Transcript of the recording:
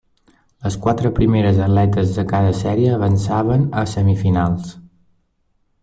Les quatre primeres atletes de cada sèrie avançaven a semifinals.